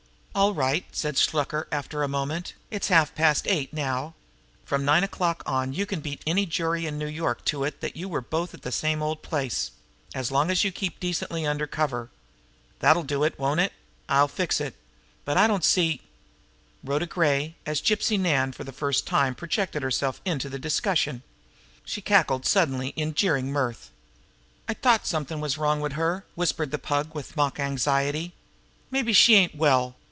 "All right," said Shluker, after a moment. "It's half past eight now. From nine o'clock on, you can beat any jury in New York to it that you were both at the same old place as long as you keep decently under cover. That'll do, won't it? I'll fix it. But I don't see " Rhoda Gray, as Gypsy Nan, for the first time projected herself into the discussion. She cackled suddenly in jeering mirth. "I t'ought something was wrong wid her!" whispered the Pug with mock anxiety. "Mabbe she ain't well!